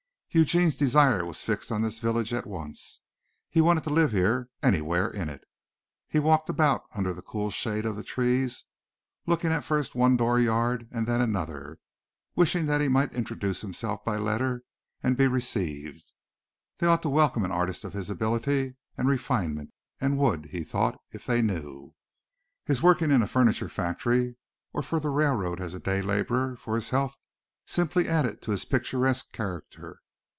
Eugene's desire was fixed on this village at once. He wanted to live here anywhere in it. He walked about under the cool shade of the trees looking at first one door yard and then another wishing that he might introduce himself by letter and be received. They ought to welcome an artist of his ability and refinement and would, he thought, if they knew. His working in a furniture factory or for the railroad as a day laborer for his health simply added to his picturesque character.